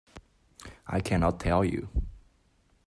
I cannot tell you.